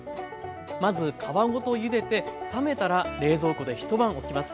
まず皮ごとゆでて冷めたら冷蔵庫で一晩おきます。